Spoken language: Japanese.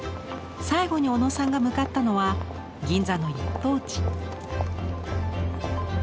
最後に小野さんが向かったのは銀座の１等地。